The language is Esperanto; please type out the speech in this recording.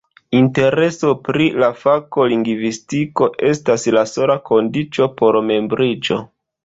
Intereso pri la fako lingvistiko estas la sola kondiĉo por membriĝo.